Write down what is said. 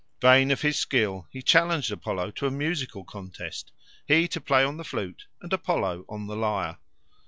Vain of his skill, he challenged Apollo to a musical contest, he to play on the flute and Apollo on the lyre.